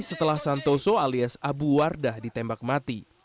setelah santoso alias abu wardah ditembak mati